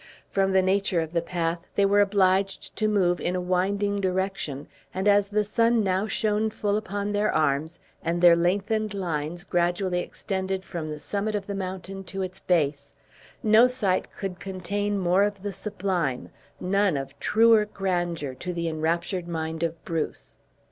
From the nature of the path, they were obliged to move in a winding direction, and as the sun now shone full upon their arms, and their lengthened lines gradually extended from the summit of the mountain to its base, no sight could contain more of the sublime, none of truer grandeur to the enraptured mind of Bruce.